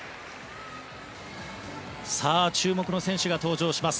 さあ、注目の選手が登場します。